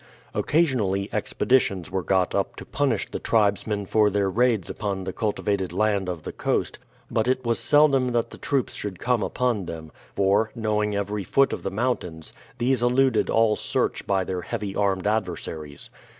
Occasionally expeditions were got up to punish the tribesmen for their raids upon the cultivated land of the coast, but it was seldom that the troops could come upon them, for, knowing every foot of the mountains, these eluded all search by their heavy armed adversaries.